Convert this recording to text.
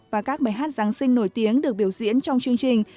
và các bài hát giáng sinh nổi tiếng được biểu diễn trong chương trình